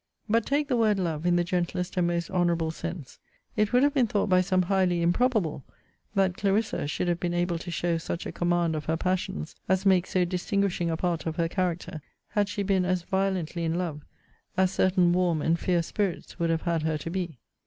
But take the word love in the gentlest and most honourable sense, it would have been thought by some highly improbable, that Clarissa should have been able to show such a command of her passions, as makes so distinguishing a part of her character, had she been as violently in love, as certain warm and fierce spirits would have had her to be.